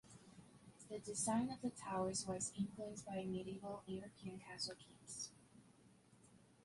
The design of the towers was influenced by medieval European castle keeps.